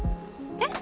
えっ？